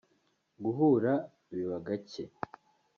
guhura biba gake